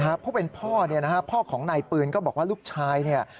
เพราะเป็นพ่อพ่อของนายปืนก็บอกว่าลูกชาย